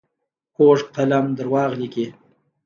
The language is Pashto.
کوږ قلم دروغ لیکي